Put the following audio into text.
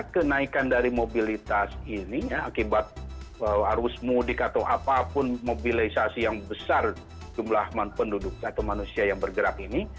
kenaikan dari mobilitas ini ya akibat arus mudik atau apapun mobilisasi yang besar jumlah penduduk atau manusia yang bergerak ini